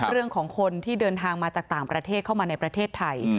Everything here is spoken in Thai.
เรื่องของคนที่เดินทางมาจากต่างประเทศเข้ามาในประเทศไทย